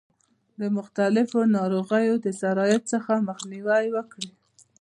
د مختلفو ناروغیو د سرایت څخه مخنیوی وکړي.